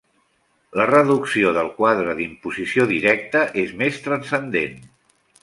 La reducció del quadre d'imposició directa és més transcendent.